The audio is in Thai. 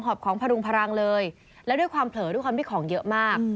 อบของพรุงพลังเลยแล้วด้วยความเผลอด้วยความที่ของเยอะมาก